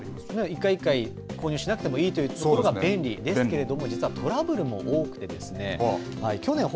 １回１回、購入しなくてもいいということが便利ですけれども実はトラブルも多くてですね。